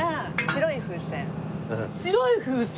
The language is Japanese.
白い風船。